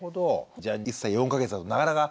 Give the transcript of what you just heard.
じゃあ１歳４か月だとなかなか難しいし。